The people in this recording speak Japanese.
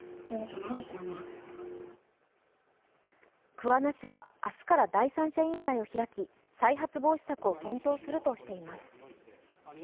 桑名市は明日から第三者委員会を開き、再発防止策を検討するとしています。